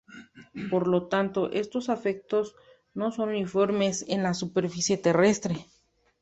Por lo tanto, estos efectos no son uniformes en la superficie terrestre.